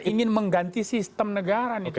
ingin mengganti sistem negara